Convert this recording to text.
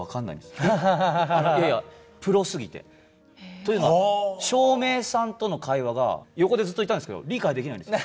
というのは照明さんとの会話が横でずっといたんですけど理解できないんですよ。